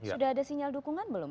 sudah ada sinyal dukungan belum